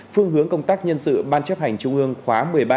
phương hướng công tác nhân sự ban chấp hành trung ương khóa một mươi ba